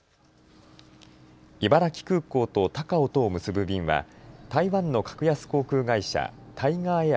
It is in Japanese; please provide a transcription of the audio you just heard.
茨城空港と高雄とを結ぶ便は台湾の格安航空会社、タイガーエア